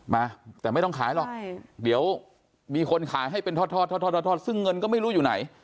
มาแต่ไม่ต้องขายหรอกเดี๋ยวมีคนขายให้เป็นทอดทอดซึ่งเงินก็ไม่รู้อยู่ไหน